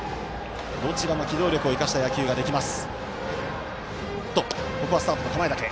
どちらも機動力を生かした野球ができます。